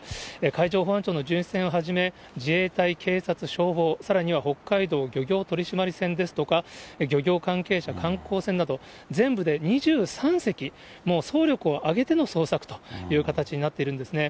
海上保安庁の巡視船をはじめ、自衛隊、警察、消防、さらには北海道漁業取締船ですとか、漁業関係者、観光船など、全部で２３隻、もう総力を挙げての捜索という形になっているんですね。